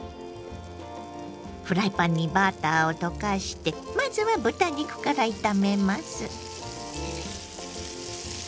フライパンにバターを溶かしてまずは豚肉から炒めます。